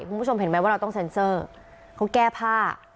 คุณผู้ชมเห็นไหมว่าเราต้องเซ็นเซอร์เขาแก้ผ้า